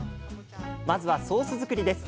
まずはソース作りです。